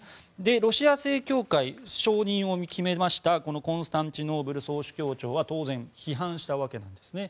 ロシア正教会承認を決めましたコンスタンチノープル総主教庁を当然、批判したわけなんです。